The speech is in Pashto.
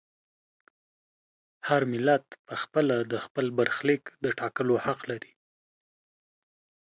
هر ملت په خپله د خپل برخلیک د ټاکلو حق لري.